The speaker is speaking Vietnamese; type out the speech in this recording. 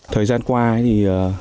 thời gian qua thì